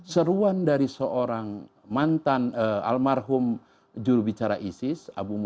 seruan dari seorang mantan almarhum jurubicara isis abu muqtadir